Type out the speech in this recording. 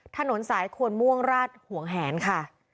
ถนนสายควนม่วงราชห่วงแหนค่ะ